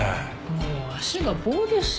もう足が棒ですよ。